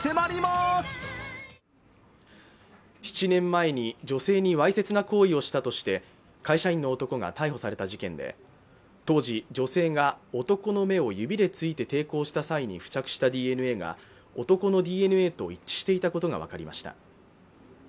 ７年前に女性にわいせつな行為をしたとして会社員の男が逮捕された事件で当時女性が男の目を指で突いて抵抗した際に付着したＤＮＡが男のＤＮＡと一致していたことが分かりました